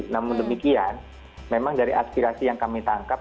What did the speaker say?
namun demikian memang dari aspirasi yang kami tangkap